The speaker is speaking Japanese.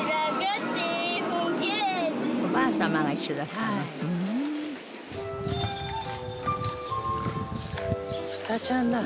「おばあ様が一緒だったの？」